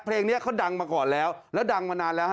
เพลงนี้เขาดังมาก่อนแล้วแล้วดังมานานแล้วฮ